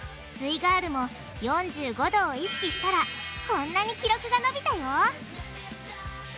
イガールも４５°を意識したらこんなに記録がのびたよ！